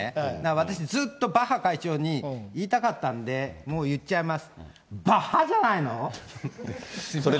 私、ずっとバッハ会長に言いたかったんで、もう言っちゃいます。